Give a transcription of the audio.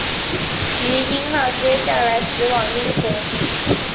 耆英号接下来驶往英国。